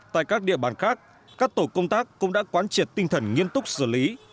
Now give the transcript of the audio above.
tại các địa bàn khác các tổ công tác cũng đã quán triệt tinh thần nghiêm túc xử lý